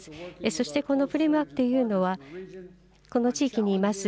そしてこのプリマというのは、この地域にいます